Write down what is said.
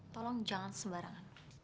tolong jangan sembarangan